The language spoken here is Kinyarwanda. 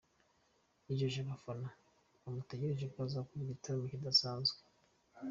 Yijeje abafana bamutegereje ko azakora igitaramo kidasanzwe.